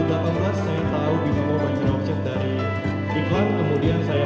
tahun dua ribu delapan belas saya tahu di nomor banyak dari kemudian saya